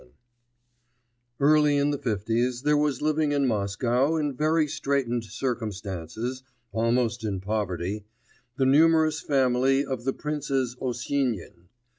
VII Early in the fifties, there was living in Moscow, in very straitened circumstances, almost in poverty, the numerous family of the Princes Osinin.